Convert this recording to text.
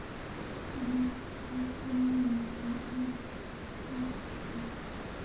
Nang cu ka'n nau deuh lai dah ka ti.